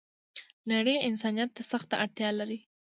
نړۍ انسانيت ته سخته اړتیا لری